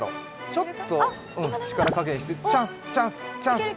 ちょっと力加減チャンス、チャンス！